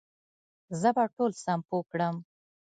زه به ټول سم پوه کړم